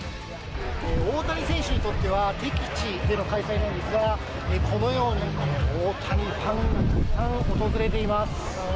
大谷選手にとっては敵地での開催なんですが、このように大谷ファンがたくさん訪れています。